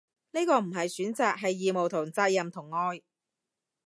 呢個唔係選擇，係義務同責任同愛